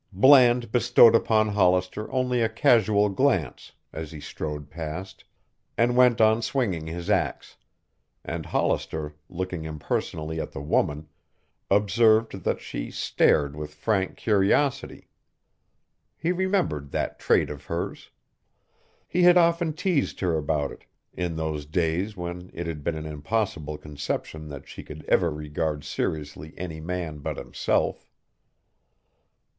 Bland bestowed upon Hollister only a casual glance, as he strode past, and went on swinging his axe; and Hollister looking impersonally at the woman, observed that she stared with frank curiosity. He remembered that trait of hers. He had often teased her about it in those days when it had been an impossible conception that she could ever regard seriously any man but himself.